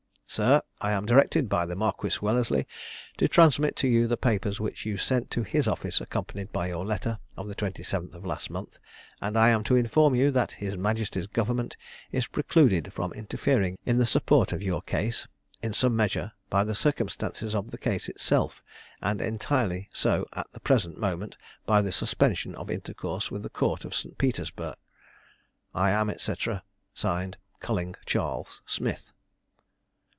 "SIR, I am directed by the Marquis Wellesley to transmit to you the papers which you sent to this office, accompanied by your letter of the 27th of last month; and I am to inform you, that his majesty's government is precluded from interfering in the support of your case, in some measure, by the circumstances of the case itself, and entirely so at the present moment by the suspension of intercourse with the court of St. Petersburgh. "I am, &c. (Signed) "CULLING CHARLES SMITH."